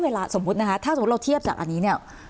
สมมุตินะคะถ้าสมมุติเราเทียบจากอันนี้เนี่ย